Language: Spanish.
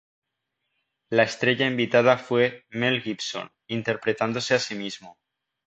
La estrella invitada fue Mel Gibson, interpretándose a sí mismo.